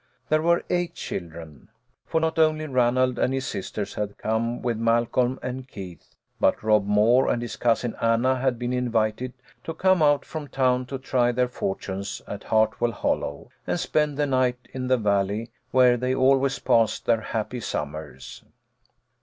There were eight children. For not only Ranald and his sisters had come with Malcolm and Keith, but Rob Moore and his cousin Anna had been invited to come out from town to try their fortunes at Hartwell Hol low, and spend the night in the Valley where they always passed their happy summers.